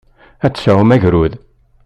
Ad d-tesɛum agrud.